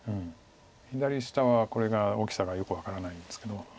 左下はこれが大きさがよく分からないんですけど。